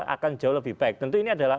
akan jauh lebih baik tentu ini adalah